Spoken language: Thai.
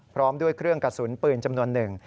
พร้อมด้วยเครื่องกระสุนปืนจำนวนหนึ่ง